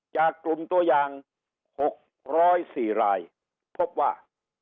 จากกลุ่มตัวอย่าง๖๐๔รายพบว่า